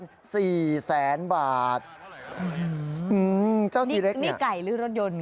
เท่าไรค่ะเจ้าทีเล็กนี่นี่ไก่หรือรถยนต์